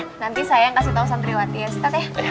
nanti saya yang kasih tahu santriwati ya setep ya